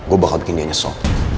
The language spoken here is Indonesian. gue bohong bikin dia nyesel